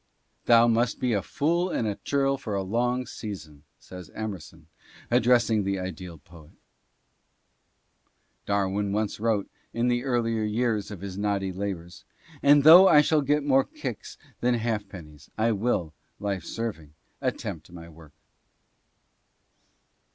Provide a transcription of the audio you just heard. "Thou must be a fool and a churl for a long season," says Emerson, addressing the ideal poet; Darwin once wrote, in the earlier years of his knotty labors, "And though I shall get more kicks than half pennies, I will, life serving, attempt my work."